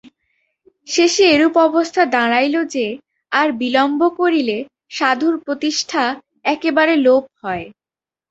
শেষে এরূপ অবস্থা দাঁড়াইল যে, আর বিলম্ব করিলে সাধুর প্রতিষ্ঠা একেবারে লোপ হয়।